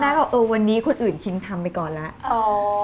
บอกเออวันนี้คนอื่นชิมทำไปก่อนแล้ว